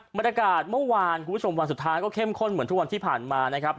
บรรยากาศเมื่อวานคุณผู้ชมวันสุดท้ายก็เข้มข้นเหมือนทุกวันที่ผ่านมานะครับ